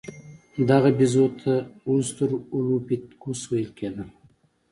دغه بیزو ته اوسترالوپیتکوس ویل کېده.